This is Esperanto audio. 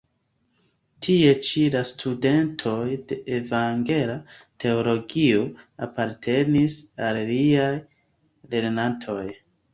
Tie ĉi la studentoj de evangela teologio apartenis al liaj lernantoj.